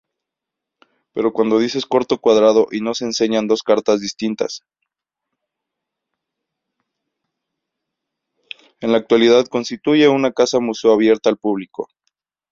En la actualidad constituye una casa museo abierta al público.